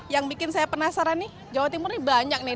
yang bikin saya penasaran nih jawa timur ini banyak nih